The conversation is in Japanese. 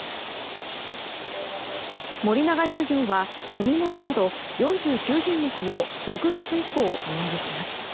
森永乳業は飲み物など４９品目を６月以降、値上げします。